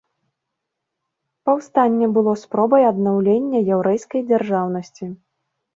Паўстанне было спробай аднаўлення яўрэйскай дзяржаўнасці.